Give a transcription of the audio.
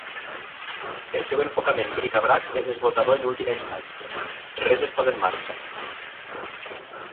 El seu enfocament "bric-a-brac" és esgotador en última instància: res es posa en marxa.